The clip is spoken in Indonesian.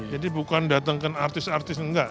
jadi bukan datangkan artis artis enggak